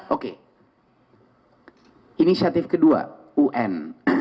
oke inisiatif kedua un